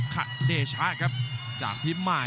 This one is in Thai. กรุงฝาพัดจินด้า